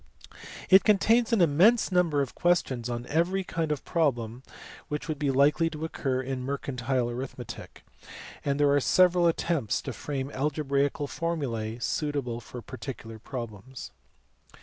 It contains an immense number of questions on every kind of problem which would be likely to occur in mercantile arithmetic, and there are several attempts to frame algebraical formulae suitable for particular problems.